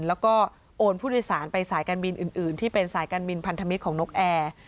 แล้วก็โอนผู้โดยสารไปสายการบินอื่นที่เป็นสายการบินพันธมิตรของนกแอร์